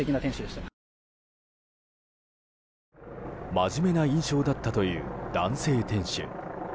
真面目な印象だったという男性店主。